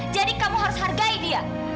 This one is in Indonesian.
jadi kamu harus hargai dia